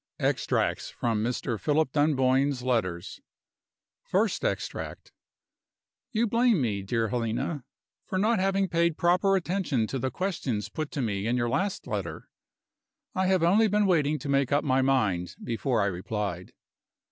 EXTRACTS FROM MR. PHILIP DUNBOYNE'S LETTERS. First Extract. You blame me, dear Helena, for not having paid proper attention to the questions put to me in your last letter. I have only been waiting to make up my mind, before I replied.